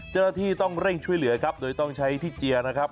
เจ้าหน้าที่ต้องเร่งช่วยเหลือครับโดยต้องใช้ที่เจียร์นะครับ